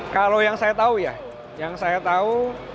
kalau yang saya tahu ya yang saya tahu